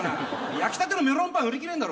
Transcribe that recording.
焼きたてのメロンパン売り切れんだろ。